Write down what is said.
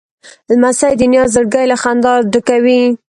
لمسی د نیا زړګی له خندا ډکوي.